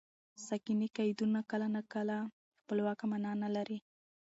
ساکني قیدونه کله ناکله خپلواکه مانا نه لري.